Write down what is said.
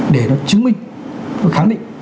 để nó chứng minh nó khẳng định